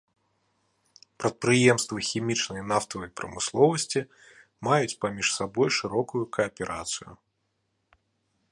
Прадпрыемствы хімічнай і нафтавай прамысловасці маюць паміж сабой шырокую кааперацыю.